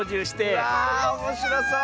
わあおもしろそう！